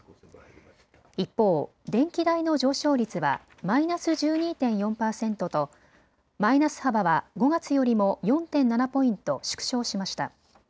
一方、電気代の上昇率はマイナス１２．４％とマイナス幅は５月よりも４．７ポイント縮小しました。